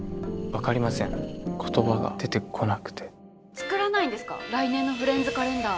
作らないんですか来年のフレンズカレンダー。